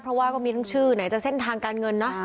เพราะว่าก็มีทั้งชื่อไหนจะเส้นทางการเงินเนอะ